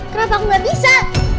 kenapa aku gak bisa